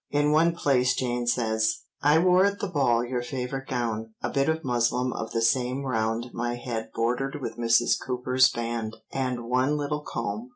In one place Jane says— "I wore at the ball your favourite gown, a bit of muslin of the same round my head bordered with Mrs. Cooper's band, and one little comb."